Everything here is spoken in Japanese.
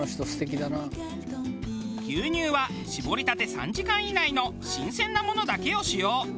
牛乳は搾りたて３時間以内の新鮮なものだけを使用。